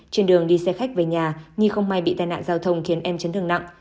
trên đường đi xe khách về nhà nhi không may bị tai nạn giao thông khiến em chấn thương nặng